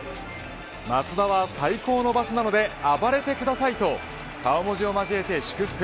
マツダは最高の場所なので暴れてくださいと顔文字を交えて祝福。